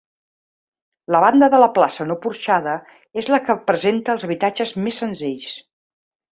La banda de la plaça no porxada és la que presenta els habitatges més senzills.